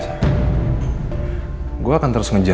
sayang kok belum bobo